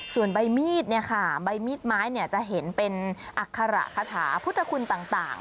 ส่วนใบมีดเนี่ยค่ะใบมีดไม้จะเห็นเป็นอัคระคาถาพุทธคุณต่าง